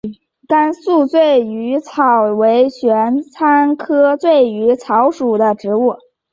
甘肃醉鱼草为玄参科醉鱼草属的植物。